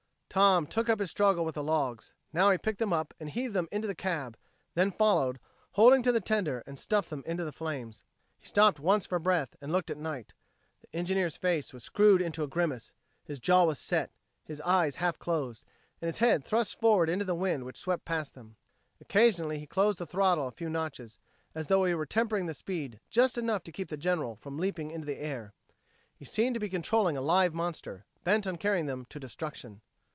Tom took up his struggle with the logs. Now he picked them up and heaved them into the cab, then followed, holding to the tender, and stuffed them into the flames. He stopped once for breath, and looked at Knight. The engineer's face was screwed into a grimace; his jaw was set, his eyes half closed, and his head thrust forward into the wind which swept past them. Occasionally he closed the throttle a few notches, as though he were tempering the speed just enough to keep the General from leaping into the air. He seemed to be controlling a live monster, bent on carrying them to destruction.